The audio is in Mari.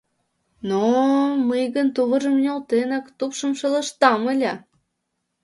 Но-о, мый гын, тувыржым нӧлтенак, тупшым шелыштам ыле.